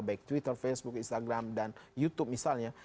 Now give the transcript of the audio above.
baik twitter facebook instagram dan youtube misalnya